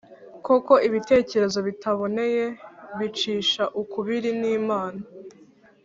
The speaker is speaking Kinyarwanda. Koko ibitekerezo bitaboneye bicisha ukubiri n’Imana,